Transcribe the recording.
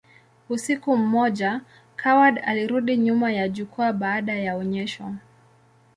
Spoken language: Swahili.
Usiku mmoja, Coward alirudi nyuma ya jukwaa baada ya onyesho.